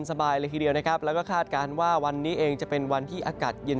สบายเลยทีเดียวนะครับแล้วก็คาดการณ์ว่าวันนี้เองจะเป็นวันที่อากาศเย็น